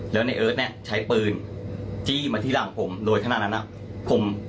แล้วในเอิร์ทเนี่ยใช้ปืนจี้มาที่หลังผมโดยขนาดนั้นนะ